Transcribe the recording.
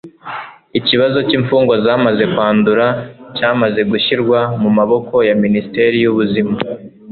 Ikibazo cy'imfungwa zamaze kwandura cyamaze gushyirwa mu maboko ya ministeri y'ubuzima